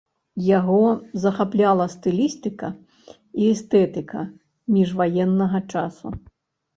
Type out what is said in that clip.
Яго захапляла стылістыка і эстэтыка міжваеннага часу.